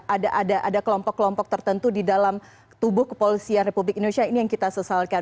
ada kelompok kelompok tertentu di dalam tubuh kepolisian republik indonesia ini yang kita sesalkan